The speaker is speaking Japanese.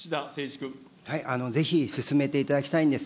ぜひ進めていただきたいんです。